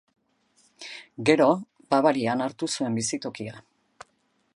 Gero, Bavarian hartu zuen bizitokia.